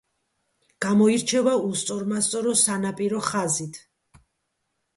გამოირჩევა უსწორმასწორო სანაპირო ხაზით.